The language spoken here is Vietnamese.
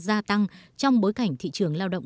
gia tăng trong bối cảnh thị trường lao động